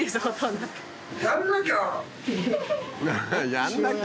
「やんなきゃ！」